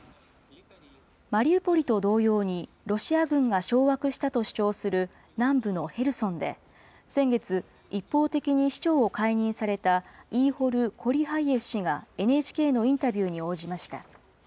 マリウポリと同様に、ロシア軍が掌握したと主張する南部のヘルソンで、先月、一方的に市長を解任されたイーホル・コリハイエフ氏がＮＨＫのインタビューに応じました。